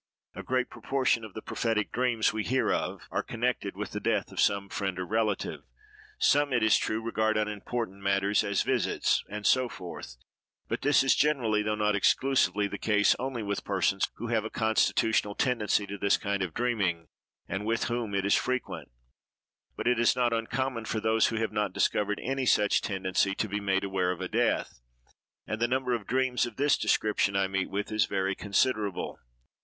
A great proportion of the prophetic dreams we hear of are connected with the death of some friend or relative. Some, it is true, regard unimportant matters, as visits, and so forth; but this is generally, though not exclusively, the case only with persons who have a constitutional tendency to this kind of dreaming, and with whom it is frequent; but it is not uncommon for those who have not discovered any such tendency, to be made aware of a death: and the number of dreams of this description I meet with is very considerable.